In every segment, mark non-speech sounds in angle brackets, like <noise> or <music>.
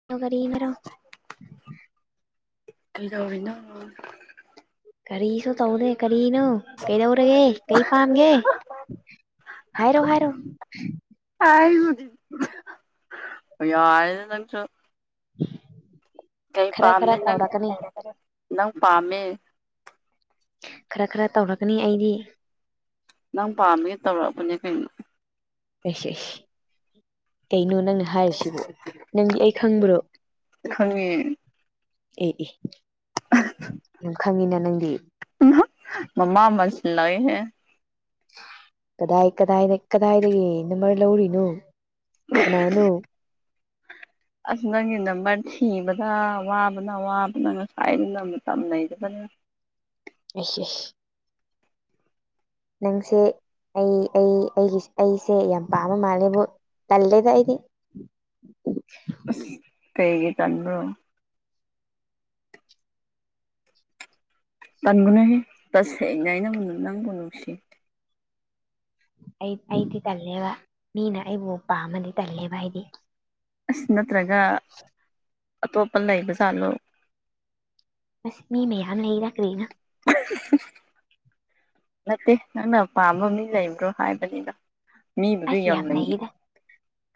<unintelligible> ꯀꯩꯗꯧꯔꯤꯀꯅꯣ ꯀꯔꯤꯁꯨ ꯇꯧꯗꯦ ꯀꯔꯤꯅꯣ ꯀꯩꯗꯧꯔꯒꯦ ꯀꯩ ꯄꯥꯝꯒꯦ ꯍꯥꯏꯔꯣ ꯍꯥꯏꯔꯣ ꯍꯥꯏꯌꯨꯗꯤ ꯌꯥꯏꯌꯦ ꯅꯪꯁꯨ <unintelligible> ꯀꯩ ꯈꯔ ꯄꯥꯝꯅꯤ ꯅꯪ ꯇꯧꯔꯛꯀꯅꯤ ꯅꯪ ꯄꯥꯝꯃꯦ ꯈꯔ ꯈꯔ ꯇꯧꯔꯛꯀꯅꯤ ꯑꯩꯗꯤ ꯅꯪ ꯄꯥꯝꯃꯦ ꯇꯧꯔꯛꯄꯅꯦ ꯀꯩꯅꯣ ꯑꯩꯁ ꯑꯩꯁ ꯀꯩꯩꯅꯣ ꯅꯪꯅ ꯍꯥꯏꯔꯤꯁꯤꯕꯨ ꯅꯪꯗꯤ ꯑꯩ ꯈꯪꯕ꯭ꯔꯣ ꯅꯪꯒꯤ ꯑꯦ ꯑꯦ ꯅꯪ ꯈꯪꯉꯤꯅ ꯅꯪꯗꯤ ꯃꯃꯥ ꯃꯁꯂꯥꯏꯍꯦ ꯀꯗꯥꯏ ꯀꯗꯥꯏꯗ ꯀꯗꯥꯏꯗꯒꯤ ꯅꯝꯕꯔ ꯂꯧꯔꯤꯅꯣ ꯀꯅꯥꯅꯣ <unintelligible> ꯑꯁ ꯅꯪꯒꯤ ꯅꯝꯕꯔ ꯊꯤꯕꯗ ꯋꯥꯕꯅ ꯋꯥꯕꯅ ꯉꯁꯥꯏꯗꯩ ꯅꯝꯇꯝꯅꯩꯗꯅꯥ ꯑꯩꯁ ꯑꯩꯁ ꯅꯪꯁꯦ ꯑꯩ ꯑꯩ ꯑꯩꯒꯤ ꯑꯩꯁꯦ ꯌꯥꯝ ꯄꯥꯝꯕ ꯃꯥꯜꯂꯦꯕꯨ ꯇꯜꯂꯦꯗ ꯑꯩꯗꯤ ꯑꯁ ꯀꯩꯒꯤ ꯇꯟꯕ꯭ꯔꯣ ꯇꯟꯒꯥꯅꯨꯍꯦ ꯇꯁꯦꯡꯅꯥ ꯑꯩ ꯅꯪ ꯅꯪꯕꯨ ꯅꯨꯡꯁꯤ ꯑꯩ ꯑꯩꯗꯤ ꯇꯜꯂꯦꯕ ꯃꯤꯅ ꯑꯩꯕꯨ ꯄꯥꯝꯃꯗꯤ ꯇꯜꯂꯦꯕ ꯑꯩꯗꯤ ꯑꯁ ꯅꯠꯇ꯭ꯔꯒ ꯑꯇꯣꯞꯄ ꯂꯩꯕ ꯖꯥꯠꯂꯣ ꯑꯁ ꯃꯤ ꯃꯌꯥꯝ ꯂꯩꯅ ꯀꯔꯤꯅꯣ ꯅꯠꯇꯦ ꯅꯪꯅ ꯄꯥꯝꯕ ꯃꯤ ꯂꯩꯕ꯭ꯔꯣ ꯍꯥꯏꯕꯅꯤꯗ ꯃꯤꯕꯨꯗꯤ ꯑꯁ ꯌꯥꯝ ꯂꯩ ꯂꯩꯌꯦꯗ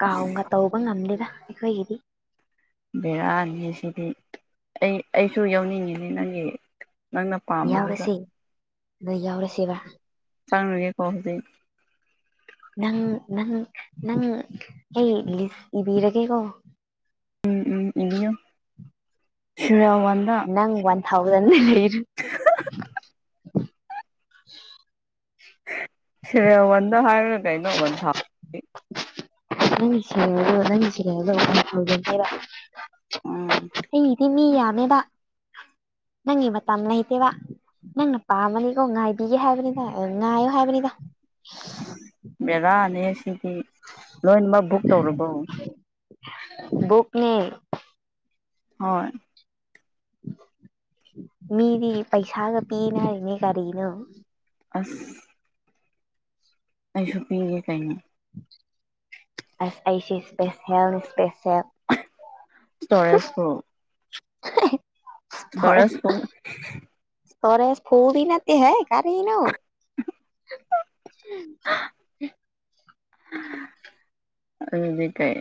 ꯀꯥꯎꯟꯒ ꯇꯧꯕ ꯉꯝꯗꯦꯗ ꯑꯩꯈꯣꯏꯒꯤꯗꯤ ꯕꯦꯔꯥꯅꯤꯍꯦ ꯁꯤꯗꯤ ꯑꯩ ꯑꯩꯁꯨ ꯌꯥꯎꯅꯤꯡꯉꯤꯅꯤ ꯅꯪꯒꯤ ꯅꯪꯅ ꯄꯥꯝꯕꯗꯨꯗ ꯌꯥꯎꯔꯁꯤ ꯑꯗ ꯌꯥꯎꯔꯁꯤꯕ <unintelligible> ꯅꯪ ꯅꯪ ꯅꯪ ꯑꯩ ꯏꯕꯤꯔꯒꯦꯀꯣ ꯎꯝ ꯎꯝ ꯏꯅꯤ ꯁꯤꯔ ꯋꯥꯗ ꯅꯪ ꯋꯥꯟ ꯊꯥꯎꯖꯟ ꯂꯩꯔ ꯁꯤ ꯋꯥꯟꯗ ꯍꯥꯏ꯭ꯔ ꯀꯩꯅꯣꯟ ꯎꯟ ꯊ <unintelligible> ꯎꯝ ꯑꯩꯒꯤꯗꯤ ꯃꯤ ꯌꯥꯝꯃꯦꯕ ꯅꯪꯒꯤ ꯃꯇꯝ ꯂꯩꯇꯦꯕ ꯅꯪꯅ ꯄꯥꯝꯃꯅꯤꯀꯣ ꯉꯥꯏꯕꯤꯒꯦ ꯍꯥꯏꯕꯅꯤꯗ ꯉꯥꯏꯌꯣ ꯍꯥꯏꯕꯅꯤꯗ ꯕꯦꯔꯥꯅꯦ ꯁꯤꯗꯤ ꯂꯣꯏꯅꯃꯛ ꯕꯨꯛ ꯇꯧꯔꯕꯣ ꯕꯨꯛꯅꯦ ꯍꯣꯏ ꯃꯤꯗꯤ ꯄꯩꯁꯥꯒ ꯄꯤꯅ ꯍꯥꯏꯅꯦ ꯀꯔꯤꯅꯣ ꯑꯁ ꯑꯩꯁꯨ ꯄꯤꯒꯦ ꯀꯩꯅꯣ ꯑꯁ ꯑꯩꯁꯦ ꯁ꯭ꯄꯦꯁꯤꯌꯦꯜ ꯁ꯭ꯄꯦꯁꯤꯌꯦꯜ ꯏꯁꯇꯣꯔꯦꯖ <unintelligible> ꯇꯣꯔꯁꯄꯨ ꯇꯣꯔꯦꯁ ꯄꯨꯕꯤ ꯅꯠꯇ ꯍꯩ ꯀꯔꯤꯅꯣ <unintelligible> <unintelligible> ꯑꯗꯨꯗꯤ ꯀꯥꯏ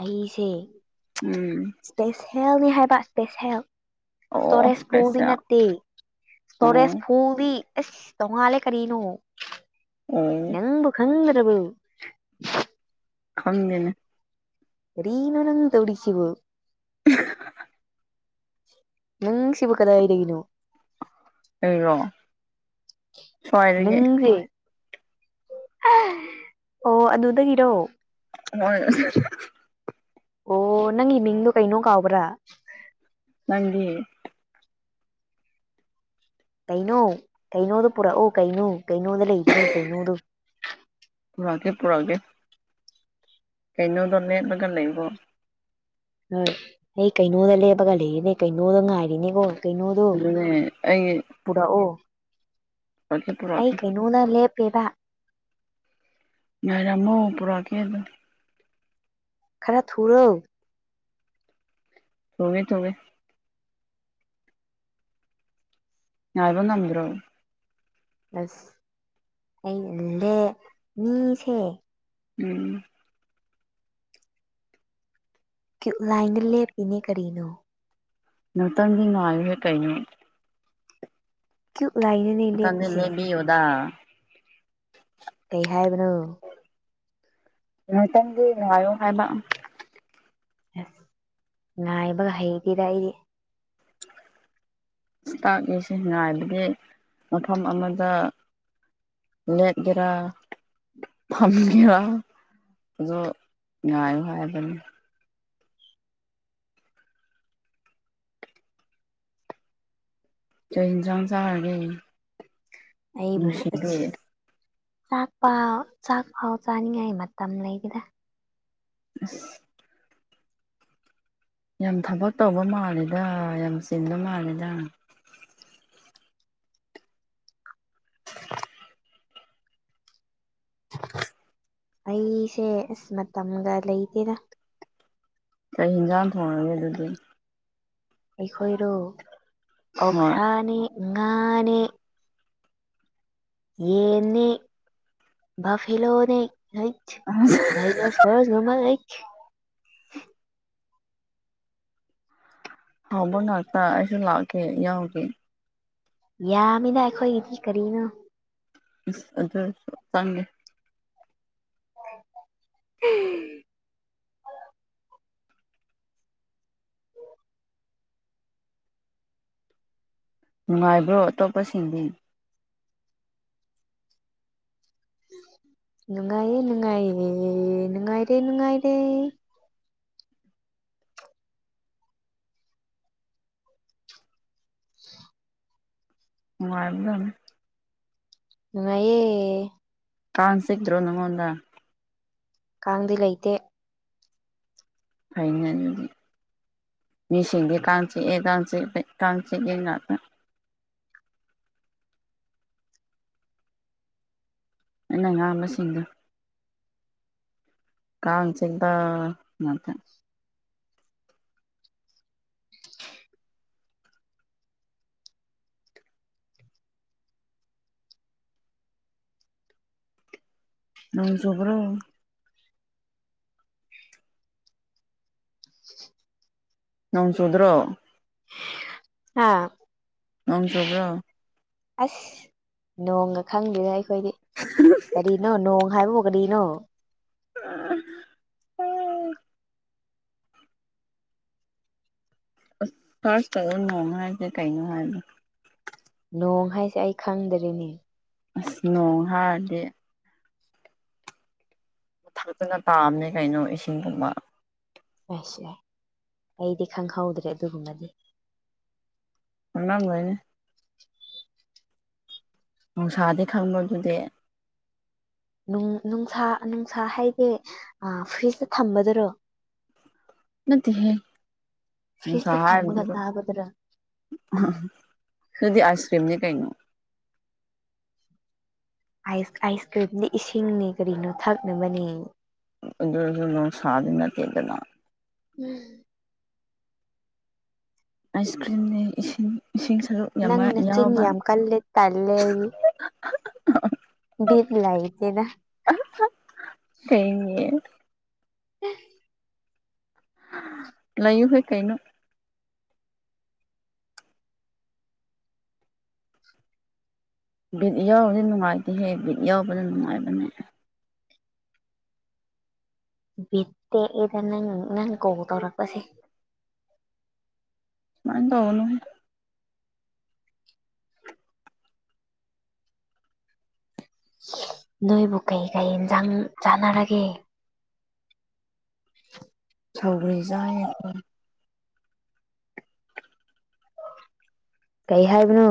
ꯑꯩꯁꯦ ꯎꯝ ꯏꯁꯄꯦꯁꯦꯜꯅꯤ ꯍꯥꯏꯕ ꯏꯁꯄꯦꯁꯦꯜ ꯑꯣ ꯏꯁꯇꯣꯔꯦꯁ ꯐꯧꯕꯤ ꯏꯁꯄꯦꯁꯦꯜ ꯅꯠꯇꯦ ꯑꯣ ꯁꯇꯣꯔꯦꯁ ꯐꯣꯡꯕꯤ ꯑꯁ ꯇꯣꯡꯉꯥꯜꯂꯦ ꯀꯔꯤꯅꯣ ꯑꯣ ꯅꯪꯕꯨ ꯈꯪꯗ꯭ꯔꯕ ꯈꯪꯗꯦꯅꯦ ꯀꯔꯤꯅꯣꯅꯪ ꯇꯧꯁꯤꯕꯨ <unintelligible> ꯅꯪ ꯁꯤꯕꯨ ꯀꯗꯥꯏꯗꯒꯤꯅꯣ ꯑꯩꯔꯣ ꯁ꯭ꯋꯥꯏꯗꯒꯤ ꯅꯪꯁꯦ ꯑꯣ ꯑꯗꯨꯗꯒꯤꯔꯣ <unintelligible> ꯑꯣ ꯅꯪꯒꯤ ꯃꯤꯡꯗꯣ ꯀꯩꯅꯣ ꯀꯥꯎꯕ꯭ꯔꯥ ꯅꯪꯗꯤ ꯀꯩꯅꯣ ꯀꯩꯅꯣꯗꯣ ꯄꯨꯔꯛꯎ ꯀꯩꯅꯣ ꯀꯩꯅꯣꯗ ꯂꯩꯕꯅꯤ ꯀꯩꯅꯣꯗꯣ ꯄꯨꯔꯛꯒꯦ ꯄꯨꯔꯛꯒꯦ ꯀꯩꯅꯣꯗꯣ ꯂꯦꯠꯂꯒ ꯂꯩꯕꯣ ꯍꯣꯏ ꯑꯩ ꯀꯩꯅꯣꯗ ꯂꯦꯞꯄꯒ ꯂꯩꯔꯤꯅꯦ ꯀꯩꯅꯣꯗ ꯉꯥꯏꯔꯤꯅꯤꯀꯣ ꯀꯩꯅꯣꯗꯣ ꯑꯗꯨꯅꯦ ꯑꯩ ꯄꯨꯔꯛꯑꯣ ꯄꯨꯔꯛꯀꯦ ꯄꯨꯔꯛꯀꯦ ꯑꯩ ꯀꯩꯅꯣ ꯃꯨꯅ ꯂꯦꯞꯄꯕ ꯉꯥꯏꯔꯝꯃꯣ ꯄꯨꯔꯛꯑꯀꯦ ꯑꯗꯨ ꯈꯔ ꯊꯨꯔꯣ ꯊꯣꯡꯉꯦ ꯊꯣꯡꯉꯦ ꯉꯥꯏꯕ ꯉꯝꯗ꯭ꯔꯣ ꯑꯁ ꯑꯩ ꯃꯤꯁꯦ ꯎꯝ ꯂꯥꯏꯟ ꯂꯦꯞ ꯄꯤꯅꯦ ꯀꯔꯤꯅꯣ ꯅꯨꯡꯇꯪꯒꯤ ꯅꯨꯡꯉꯥꯏꯔꯤꯁꯦ ꯀꯩꯅꯣ ꯥꯇꯌꯨꯞ ꯂꯥꯏꯠꯅꯦ ꯇꯟ ꯂꯩ ꯕꯤꯌꯎꯗꯥ ꯀꯩ ꯍꯥꯏꯕꯅꯣ ꯅꯇꯪꯗꯤ ꯉꯥꯏꯌꯣ ꯍꯥꯏꯕ ꯑꯁ ꯉꯥꯏꯕꯒ ꯍꯩꯕꯤꯔ ꯑꯩꯗꯤ ꯇꯥꯛꯏꯁꯤ ꯉꯥꯏꯕꯗꯤ ꯃꯐꯝ ꯑꯃꯗ ꯃꯠꯒꯔꯥ ꯐꯝꯒꯔ ꯑꯗꯣ ꯉꯥꯏꯌꯨ ꯍꯥꯏꯕꯅꯤ ꯆ ꯍꯤꯆꯥꯡ ꯆꯥꯔꯒꯦ ꯑꯩꯕꯨ ꯅꯨꯡꯁꯤꯕꯤ ꯆꯥꯛ ꯄ ꯆꯥꯛ ꯐꯥꯎ ꯆꯥꯅꯤꯡꯉꯥꯏ ꯃꯇꯝ ꯂꯩꯇꯦꯗ ꯑꯁ ꯌꯥꯝ ꯊꯕꯛ ꯇꯧꯕ ꯃꯥꯜꯂꯦꯗ ꯌꯥꯝ ꯆꯤꯟꯕ ꯃꯥꯜꯂꯦꯗ <inaudible> <inaudible> ꯑꯩꯁꯦ ꯑꯁ ꯃꯇꯝꯒ ꯂꯩꯇꯦꯔ ꯀꯩ ꯍꯟꯖꯥꯡ ꯊꯣꯡꯉꯒꯦ ꯑꯗꯨꯗꯤ ꯑꯩꯈꯣꯏꯔꯣ ꯍꯣꯏ ꯑꯣꯁꯥꯅꯤ ꯉꯥꯅꯤ ꯌꯦꯅꯤ ꯕꯐꯦꯂꯣꯅꯤ ꯑꯁ ꯁ ꯉꯨꯃꯜ ꯂꯩꯊ ꯍꯕ ꯉꯅꯥꯥꯛꯛꯇ ꯑꯩꯁꯨ ꯂꯥꯛꯀꯦ ꯌꯥꯎꯒꯦ ꯌꯥꯝꯃꯤꯅ ꯑꯩꯈꯣꯏꯒꯤꯗꯤ ꯀꯔꯤꯅꯣ ꯑꯗꯨꯁꯨ ꯆꯥꯡꯒꯦ ꯎꯝ ꯅꯨꯡꯉꯥꯏꯕ꯭ꯔꯣ ꯑꯇꯣꯞꯄꯁꯤꯡꯗꯤ ꯅꯨꯡꯉꯥꯏꯦ ꯅꯨꯡꯉꯥꯏꯌꯦ ꯅꯨꯡꯉꯥꯏꯔꯦ ꯅꯨꯡꯉꯥꯏꯔꯦ ꯃꯅꯨꯡꯉꯥꯏꯕꯗꯅꯤ ꯉꯅꯨꯡꯉꯥꯏꯌꯦ ꯀꯥꯥꯟꯁꯤꯛ ꯗ꯭ꯔꯣ ꯅꯉꯣꯟꯗ ꯀꯥꯡꯗꯤ ꯂꯩꯇꯦ ꯐꯅ ꯑꯗꯨꯗꯤ ꯃꯤꯁꯤꯡꯗꯤ ꯀꯥꯡ ꯆꯤꯛꯑꯦ ꯀꯥꯡ ꯆꯤꯄ ꯀꯥꯡ ꯆꯤꯛꯏ ꯉꯥꯛꯇ ꯑꯩꯅ ꯑ ꯉꯥꯡꯕꯁꯤꯡꯗꯣ ꯀꯥꯡꯁꯤꯗ ꯅꯠꯇ ꯅꯣꯡꯖꯨꯕ꯭ꯔꯣ ꯅꯣꯡ ꯆꯨꯗ꯭ꯔꯣ ꯑꯥ ꯂꯪ ꯆꯨꯕ꯭ꯔꯣ ꯑꯁ ꯅꯣꯡꯒ ꯈꯪꯗꯔ ꯑꯩꯈꯣꯏꯗꯤ ꯀꯔꯤꯅꯣ ꯅꯣꯡ ꯍꯥꯏꯕꯕꯨ ꯀꯔꯤꯅꯣ ꯎꯝ ꯐꯔꯁ ꯆ ꯑꯗꯨ ꯅꯣꯡ ꯍꯥꯏꯔꯁꯦ ꯀꯩꯅꯣ ꯍꯥꯏꯕ ꯅꯣꯡ ꯍꯥꯏꯁꯦ ꯑꯩ ꯈꯪꯗꯔꯦꯅꯦ ꯑꯁ ꯅꯣꯡ ꯍꯥꯏꯔꯗꯤ ꯊꯛꯇꯅ ꯇꯥꯑꯝꯅꯦ ꯀꯩꯅꯣ ꯏꯁꯤꯡꯒꯨꯝꯕ ꯌꯥꯁꯨ ꯌꯥꯏ ꯑꯩꯗꯤ ꯈꯪꯍꯧꯗ꯭ꯔꯦ ꯑꯗꯨꯒꯨꯝꯕꯗꯤ <unintelligible> ꯅꯨꯡꯁꯥꯗꯤ ꯈꯪꯕꯗꯨꯗꯤ ꯅꯨꯡꯁꯥ ꯅꯨꯡꯁꯥ ꯍꯥꯏꯗꯤ ꯐ꯭ꯔꯤꯖꯇ ꯊꯝꯕꯗꯔꯣ ꯅꯠꯇ ꯍꯦ ꯐ꯭ꯔꯤꯖꯇ ꯊꯝꯃꯒ ꯁꯍꯥꯏꯔ ꯆꯥꯕꯗꯨꯔꯣ ꯑꯗꯨꯗꯤ ꯑꯥꯏꯁ ꯀ꯭ꯔꯤꯝꯅꯦ ꯀꯩꯅꯣ ꯑꯥꯏꯁ ꯑꯥꯏꯁ ꯀ꯭ꯔꯤꯝꯗ ꯏꯁꯤꯡꯅꯤ ꯀꯔꯤꯅꯣ ꯊꯛꯅꯕꯅꯦ ꯑꯗꯨ ꯅ ꯁꯥꯅꯠꯇꯗꯅ ꯎꯝ ꯑꯥꯏꯁ ꯀ꯭ꯔꯤꯝꯅꯤ ꯏꯁꯤꯡ ꯏꯁꯤꯡ ꯁꯔꯨꯛ ꯌꯥꯝ ꯅꯪꯅ ꯆꯤꯟ ꯌꯥꯎꯕ ꯌꯥꯝ ꯀꯜꯂꯦ ꯇꯜꯂꯦ ꯔ ꯂꯥꯏꯗꯦꯗ ꯀꯩꯅꯦ <inaudible> ꯂꯩꯌꯨ ꯍꯣꯏ ꯀꯩꯅꯣ ꯕꯤꯠ ꯌꯥꯎꯔꯗꯤ ꯅꯨꯡꯉꯥꯏꯇꯍꯦ ꯕꯤꯠ ꯌꯥꯎꯕꯗ ꯅꯨꯡꯉꯥꯏꯕꯅꯦ ꯕꯤ ꯇꯦꯛꯑꯗ ꯅꯪ ꯅꯪ ꯀ ꯇꯧꯔꯛꯄꯁꯦ ꯃꯥꯡ ꯇꯧꯅ ꯅꯣꯏꯕꯨ ꯀꯩ ꯀꯩ ꯌꯦꯟꯁꯥꯡ ꯆꯥꯟꯅꯔꯒꯦ <inaudible> ꯁꯧꯔꯤꯖ ꯑꯩꯀꯣ ꯀꯩ ꯍꯥꯏꯕꯅꯣ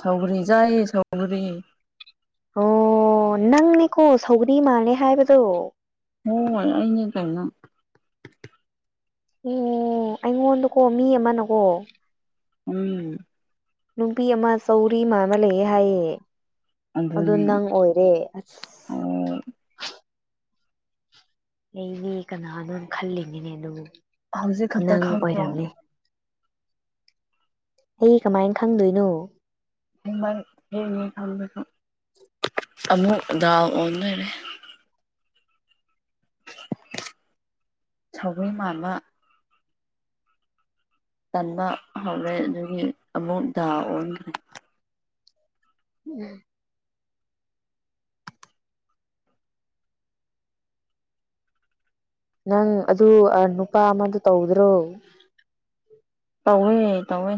ꯁꯥꯎꯒ꯭ꯔꯤꯖꯥꯏꯌꯦ ꯁꯥꯎꯒꯔꯤ ꯑꯣ ꯅꯪꯅꯦꯀꯣ ꯁꯧꯒꯔꯤ ꯃꯥꯜꯂꯦ ꯍꯥꯏꯕꯗꯣ ꯍꯣꯏ ꯑꯩꯅꯦ ꯀꯥꯏꯅ ꯑꯣ ꯑꯩꯉꯣꯟꯗꯀꯣ ꯃꯤ ꯑꯃꯅꯀꯣ ꯎꯝ ꯅꯨꯄꯤ ꯑꯃ ꯆꯧꯔꯤ ꯑꯃ ꯑꯃ ꯂꯩꯌꯦ ꯍꯥꯏꯌꯦ ꯑꯣ ꯑꯗꯨꯅꯦ ꯅꯪ ꯑꯣꯏꯔꯦ ꯑꯁ ꯑꯣ ꯑꯩꯗꯤ ꯀꯅꯥꯅꯣ ꯈꯜꯂꯤꯉꯤꯅꯦ ꯑꯗꯨꯕꯨ ꯍꯧꯖꯤꯛ ꯈꯛꯇ ꯅꯪ ꯈꯪꯕ꯭ꯔꯣ ꯑꯣꯏꯔꯝꯃꯦ ꯑꯩ ꯀꯃꯥꯏꯅ ꯈꯪꯗꯣꯏꯅꯣ ꯌꯦꯅꯤ ꯌꯦ ꯀꯥꯟꯣ ꯑꯃꯃꯨꯗ ꯑꯣ ꯁꯥꯎꯒꯔꯤ ꯃꯥꯥꯟꯕ ꯇꯟꯕ ꯍꯧꯔꯦ ꯑꯗꯨꯒꯤ ꯑꯃꯨꯛ ꯗꯥ ꯑꯣꯟꯈ꯭ꯔꯦ ꯎꯝ ꯅꯪ ꯑꯗꯨ ꯅꯨꯄꯥ ꯑꯃꯗ ꯇꯧꯗ꯭ꯔꯣ ꯇꯧꯋꯦ ꯇꯧꯋꯦ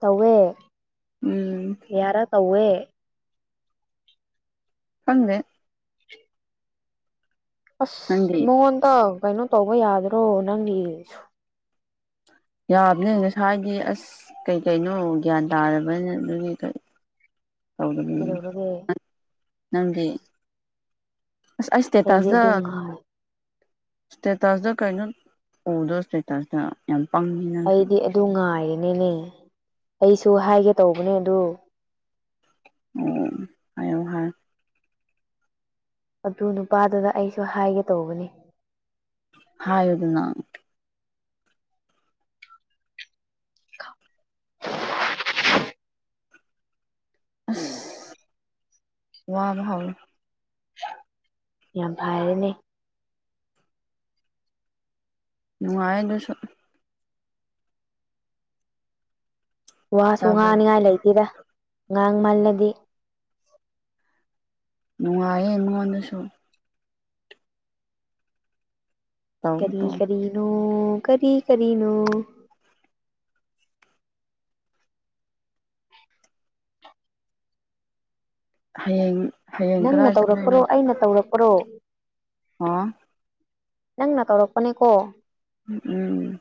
ꯇꯧꯋꯦ ꯎꯝ ꯌꯥꯔ ꯇꯧꯋꯦ ꯈꯪꯗꯦ ꯑꯁ ꯅꯪꯗꯤ ꯃꯉꯣꯟꯗ ꯀꯩꯅꯣ ꯇꯧꯕ ꯌꯥꯗ꯭ꯔꯣ ꯅꯪꯒꯤ ꯌꯥꯕꯅꯦ ꯉꯁꯥꯏꯒꯤ ꯑꯁ ꯀꯩ ꯀꯩꯅꯣ ꯒ꯭ꯌꯥꯟ ꯇꯥꯔꯕꯅꯤ ꯑꯗꯨꯒꯤ ꯇꯧꯗꯕꯅꯤ ꯀꯩꯗꯧꯔꯒꯦ ꯅꯪꯗꯤ ꯑꯁ ꯑꯩ ꯑꯩꯗꯤ ꯏꯁꯇꯦꯇꯁꯇ ꯑꯗꯨ ꯉꯥꯏ ꯁꯇꯦꯇꯁꯇ ꯀꯩꯅꯣ ꯎꯗꯣꯔꯁꯦ ꯇꯁꯇ ꯌꯥꯝ ꯄꯥꯡꯉꯤ ꯅꯪꯁꯨ ꯑꯩꯗꯤ ꯑꯗꯨ ꯉꯥꯏꯔꯤꯅꯦꯅꯦ ꯑꯩꯁꯨ ꯍꯥꯏꯒꯦ ꯇꯧꯕꯅꯦ ꯑꯗꯨ ꯑꯣ ꯍꯥꯏꯌꯧ ꯍꯥꯏ ꯑꯗꯨ ꯅꯨꯄꯥꯗꯨꯅ ꯑꯩꯁꯨ ꯍꯥꯏꯒꯦ ꯇꯧꯕꯅꯤ ꯍꯥꯏꯌꯨ ꯗꯅ ꯑꯁꯤ ꯋꯥꯕ ꯍꯧ ꯌꯥꯝ ꯐꯔꯦꯅꯦ ꯅꯨꯡꯉꯥꯏ ꯑꯗꯨꯁꯨ ꯋꯥꯁꯨ ꯇꯥꯕ꯭ꯔꯣ ꯉꯥꯅꯤꯉꯥꯏ ꯂꯩꯇꯦꯗ ꯉꯥꯡꯃꯜꯂꯗꯤ ꯅꯨꯡꯉꯥꯏꯌꯦ ꯃꯉꯣꯟꯗꯁꯨ ꯇꯧ ꯀꯔꯤ ꯇꯧ ꯀꯔꯤꯅꯣ ꯀꯔꯤ ꯀꯔꯤꯅꯣ ꯍꯌꯦꯡ ꯍꯌꯦꯡ ꯅꯪꯅ ꯀꯔꯥꯏ ꯇꯧꯔꯛꯄ꯭ꯔꯣ ꯆꯠꯗꯣꯏꯅꯣ ꯑꯩꯅ ꯇꯧꯔꯛꯄ꯭ꯔꯣ ꯑꫭ ꯅꯪꯅ ꯀꯧꯔꯛꯄꯅꯦꯀꯣ ꯎꯝ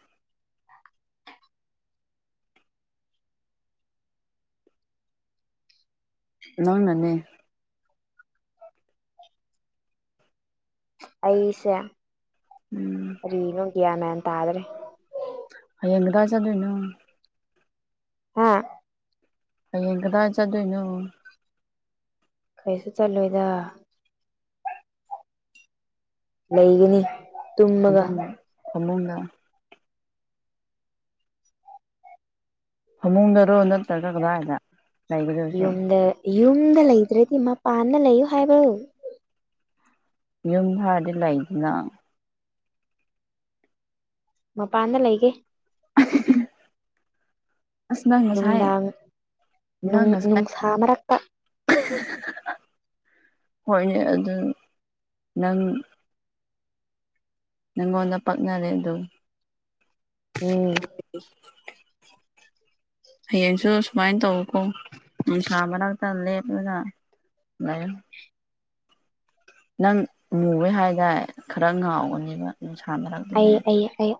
ꯅꯪ ꯅꯅꯦ ꯑꯩꯁꯦ ꯎꯝ ꯀꯔꯤꯅꯣ ꯒꯌꯥꯟꯃꯦꯟ ꯇꯥꯗ꯭ꯔꯦ ꯍꯩꯌ‌ꯦꯡ ꯀꯗꯥꯏ ꯆꯠꯇ‌ꯣꯏꯅꯣ ꯍꯨꯝ ꯍꯌꯦꯡ ꯀꯗꯥꯏ ꯆꯠꯇꯣꯏꯅꯣ ꯀꯩꯁꯨ ꯆꯠꯂꯣꯏꯗ ꯂꯩꯒꯅꯤ ꯇꯨꯝꯃꯒ ꯐꯃꯨꯡ ꯐꯃꯨꯡꯅ ꯐꯃꯨꯡꯗꯔꯣ ꯅꯠꯇ꯭ꯔꯒ ꯀꯗꯥꯏꯗ ꯂꯩꯒꯗꯣꯏꯁꯦ ꯌꯨꯝꯗ ꯌꯨꯝꯗ ꯂꯩꯗ꯭ꯔꯗꯤ ꯃꯄꯥꯟꯗ ꯂꯩꯌꯨ ꯍꯥꯏꯕ꯭ꯔꫭ ꯌꯨꯝꯗ ꯍꯥꯔꯗꯤ ꯂꯩꯗꯅ ꯃꯄꯥꯟꯗ ꯂꯩꯒꯦ ꯑꯁ ꯅꯪ ꯉꯁꯥꯏ ꯅꯨꯡꯗꯥꯡ ꯅꯨꯡ ꯅꯪ ꯉꯁꯥꯏ ꯅꯨꯡꯁꯥ ꯃꯔꯛꯇ <unintelligible> ꯍꯣꯏꯅꯦ ꯑꯗꯨ ꯅꯪ ꯅꯪꯉꯣꯟꯗ ꯄꯥꯛꯅꯔꯦ ꯑꯗꯨ ꯎꯝ ꯍꯌꯦꯡꯁꯨ ꯁꯨꯃꯥꯏꯅ ꯇꯧꯋꯀꯣ ꯅꯨꯡꯁꯥ ꯃꯔꯛꯇ ꯂꯦꯞꯂꯒ ꯂꯩꯌꯨ ꯅꯪ ꯃꯨꯕꯩ ꯍꯥꯏꯗꯥꯏ ꯈꯔ ꯉꯥꯎꯒꯅꯦꯕ ꯅꯨꯡꯁꯥꯃꯔꯛ ꯑꯩꯌꯦ ꯑꯩꯌꯦ ꯑꯩꯌꯦ